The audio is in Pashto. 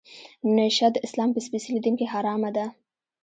نشه د اسلام په سپیڅلي دین کې حرامه ده.